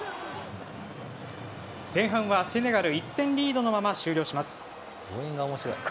前半はセネガル１点リードのまま終了します。